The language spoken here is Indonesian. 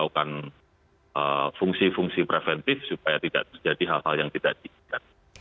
melakukan fungsi fungsi preventif supaya tidak terjadi hal hal yang tidak diinginkan